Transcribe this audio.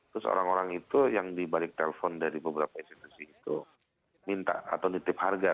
terus orang orang itu yang dibalik telpon dari beberapa institusi itu minta atau nitip harga